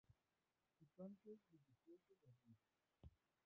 Su canto es bullicioso y agudo.